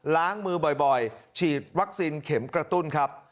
ล้างมือบ่อยฉีดวัคซีนเข็มกระตุ้นครับ